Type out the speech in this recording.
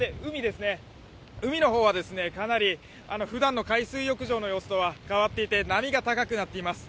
海の方はかなりふだんの海水浴場の様子とは変わっていて、波が高くなっています。